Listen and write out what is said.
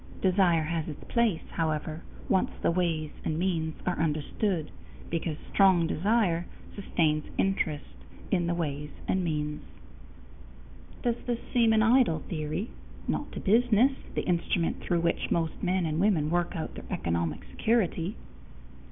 Desire has its place, however, once the ways and means are understood, because strong desire sustains interest in the ways and means. Does this seem an idle theory? Not to business, the instrument through which most men and women work out their economic security.